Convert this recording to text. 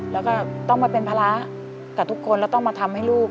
แล้วก็ต้องมาเป็นภาระกับทุกคนแล้วต้องมาทำให้ลูก